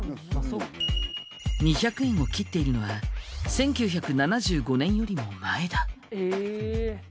２００円を切っているのは１９７５年よりも前だ。